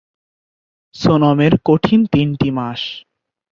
সোনমের কঠিন তিনটি মাস